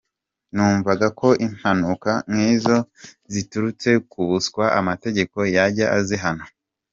Numvaga ko impanuka nk’izo ziturutse ku buswa amategeko yajya azihana.